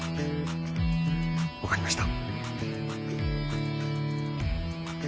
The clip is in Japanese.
分かりました。